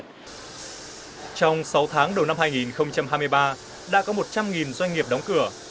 trong sáu tháng đầu năm hai nghìn hai mươi ba đã có một trăm linh doanh nghiệp đóng cửa